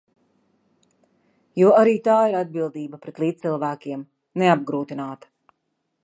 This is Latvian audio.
Jo arī tā ir atbildība pret līdzcilvēkiem– neapgrūtināt.